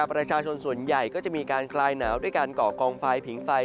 ประชาชนส่วนใหญ่ก็จะมีการคลายหนาวด้วยการเกาะกองไฟผิงไฟ